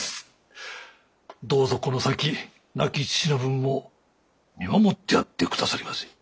どうぞこの先亡き父の分も見守ってやってくださりませ。